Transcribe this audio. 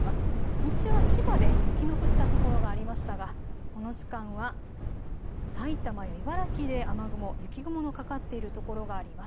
日中は千葉で雪の降った所がありましたがこの時間は埼玉や茨城で雨雲、雪雲のかかっている所があります。